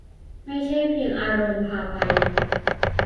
ไม่ใช่เพียงอารมณ์พาไป